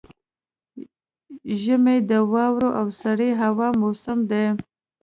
ژمی د واورو او سړې هوا موسم دی.